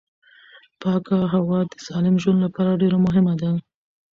پاکه هوا د سالم ژوند لپاره ډېره مهمه ده